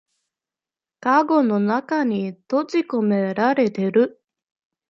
かごの中に閉じこめられてる